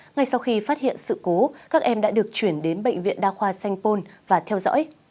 ngay sau khi phát hiện sự cố các em đã được chuyển đến bệnh viện đa khoa sanh pôn và theo dõi